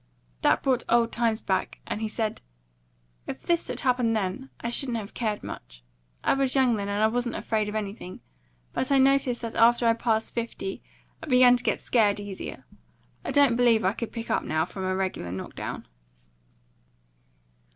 That brought the old times back, and he said: "If this had happened then, I shouldn't have cared much. I was young then, and I wasn't afraid of anything. But I noticed that after I passed fifty I began to get scared easier. I don't believe I could pick up, now, from a regular knock down."